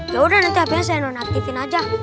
ya udah nanti hp nya saya nonaktifin aja